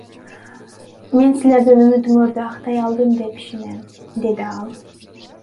Мен силердин үмүтүңөрдү актай алдым деп ишенем, — деди ал.